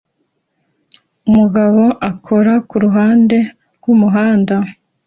Umugabo akora kuruhande rwumuhanda